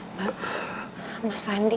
mbak mas fandi